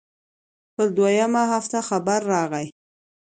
پر دويمه هفته خبر راغى.